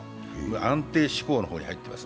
安定志向の方に入っていますよ。